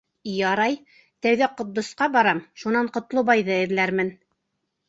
Ярай, тәүҙә Ҡотдосҡа барам, шунан Ҡотлобайҙы эҙләрмен.